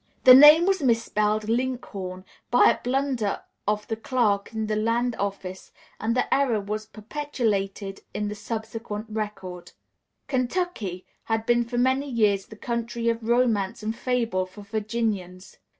The name was misspelled "Linkhorn" by a blunder of the clerk in the land office, and the error was perpetuated in the subsequent record. Kentucky had been for many years the country of romance and fable for Virginians.